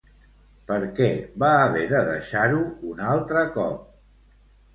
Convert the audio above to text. Per què va haver de deixar-ho un altre cop?